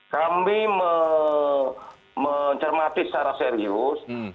kami mencermati secara serius